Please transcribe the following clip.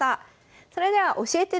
それでは「教えて！